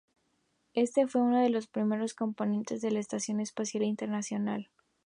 Este fue uno de los primeros componentes de la Estación Espacial Internacional.